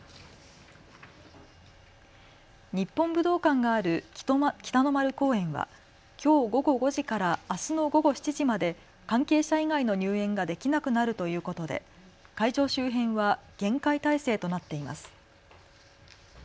日本武道館がある北の丸公園はきょう午後５時からあすの午後７時まで関係者以外の入園ができなくなるということで会場周辺は厳戒態勢となっています。